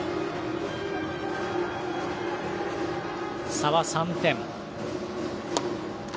差は３点。